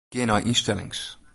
Gean nei ynstellings.